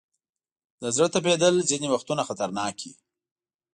د زړه ټپېدل ځینې وختونه خطرناک وي.